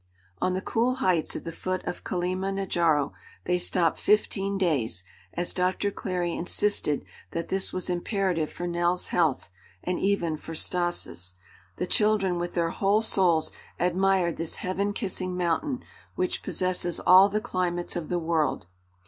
On the cool heights at the foot of Kilima Njaro they stopped fifteen days, as Doctor Clary insisted that this was imperative for Nell's health, and even for Stas'. The children with their whole souls admired this heaven kissing mountain, which possesses all the climates of the world.